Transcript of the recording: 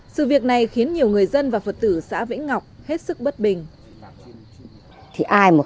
sự việc này khiến nhiều người dân và phật tử xã vĩnh ngọc hết sức bất bình